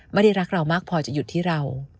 ไม่ได้รักเรามากพอจะหยุดที่เรา